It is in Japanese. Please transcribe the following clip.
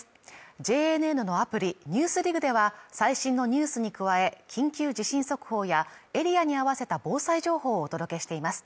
ＪＮＮのアプリ「ＮＥＷＳＤＩＧ」では最新のニュースに加え緊急地震速報やエリアに合わせた防災情報をお届けしています